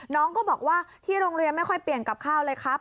น้องก็บอกว่าที่โรงเรียนไม่ค่อยเปลี่ยนกับข้าวเลยครับ